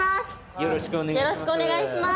よろしくお願いします。